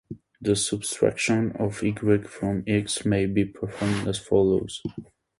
The subtraction of "y" from "x" may be performed as follows.